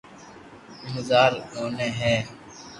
بزارر موٽي هي